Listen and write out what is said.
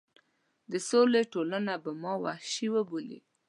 د سولې ټولنه به ما وحشي وبولي.